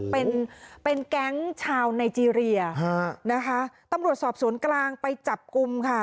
เป็นเป็นแก๊งชาวไนเจรียนะคะตำรวจสอบสวนกลางไปจับกลุ่มค่ะ